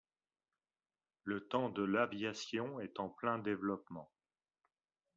Le temps de l'aviation est en plein développement.